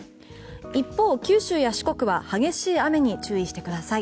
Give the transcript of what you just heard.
一方、九州や四国は激しい雨に注意してください。